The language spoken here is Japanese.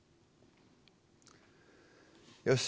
よし。